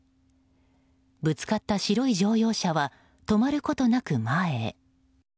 ぶつかった白い乗用車は止まることなく前へ。